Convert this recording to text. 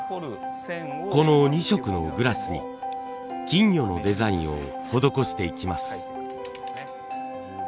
この２色のグラスに金魚のデザインを施していきます。